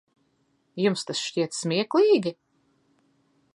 Jums tas šķiet smieklīgi?